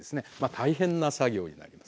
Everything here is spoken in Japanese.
大変な作業になります。